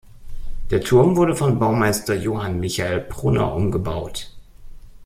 Der Turm wurde vom Baumeister Johann Michael Prunner umgebaut.